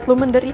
masuk ke dalam